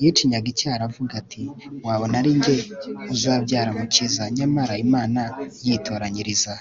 yicinyaga icyara avuga ati wabona arinjye uzabyara umukiza. nyamara imana yitoranyiriza